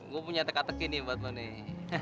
gue punya teka teki nih buat lo nih